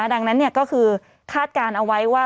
ดังนั้นก็คือคาดการณ์เอาไว้ว่า